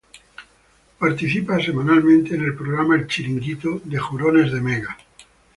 Participa semanalmente en el programa El chiringuito de jugones de Mega.